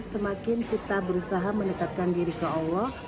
semakin kita berusaha mendekatkan diri ke allah